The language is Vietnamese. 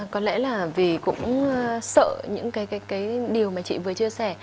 có lẽ là vì cũng sợ những cái điều mà chị vừa chia sẻ